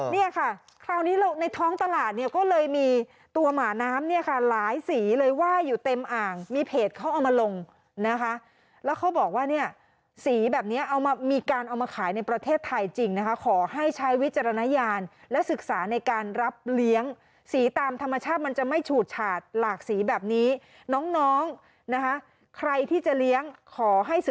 เนี่ยค่ะคราวนี้เราในท้องตลาดเนี่ยก็เลยมีตัวหมาน้ำเนี่ยค่ะหลายสีเลยว่ายอยู่เต็มอ่างมีเพจเขาเอามาลงนะคะแล้วเขาบอกว่าเนี่ยสีแบบนี้เอามามีการเอามาขายในประเทศไทยจริงนะคะขอให้ใช้วิจารณญาณและศึกษาในการรับเลี้ยงสีตามธรรมชาติมันจะไม่ฉูดฉาดหลากสีแบบนี้น้องน้องนะคะใครที่จะเลี้ยงขอให้ส